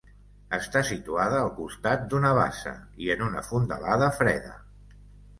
Està situada al costat d'una bassa i en una fondalada freda.